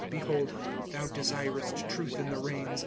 * Behold, thou desirest truth in the reins.